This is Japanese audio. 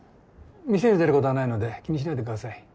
店に出ることはないので気にしないでください。